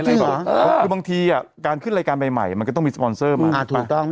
คือบางทีการขึ้นรายการใหม่มันก็ต้องมีสปอนเซอร์มาถูกต้อง